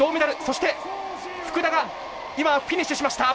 そして福田が今フィニッシュしました。